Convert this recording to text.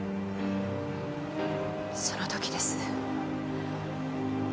その時です。